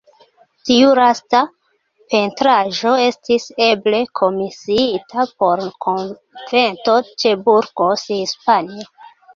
Tiu lasta pentraĵo estis eble komisiita por konvento ĉe Burgos, Hispanio.